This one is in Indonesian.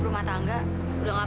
terima kasih pak